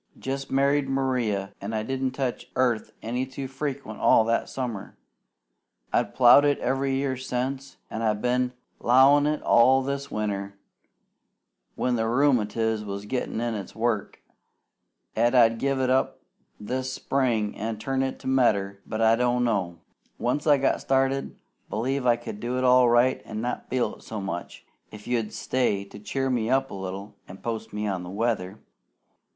Jest married Maria, an' I didn't touch earth any too frequent all that summer. I've plowed it every year since, an' I've been 'lowin' all this winter, when the rheumatiz was gettin' in its work, 'at I'd give it up this spring an' turn it to medder; but I don't know. Once I got started, b'lieve I could go it all right an' not feel it so much, if you'd stay to cheer me up a little an' post me on the weather.